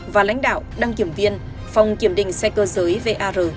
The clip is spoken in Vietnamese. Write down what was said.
và lãnh đạo đăng kiểm viên phòng kiểm định xe cơ giới var